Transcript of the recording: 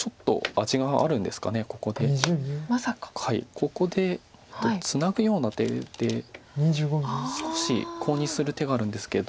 ここでツナぐような手で少しコウにする手があるんですけど。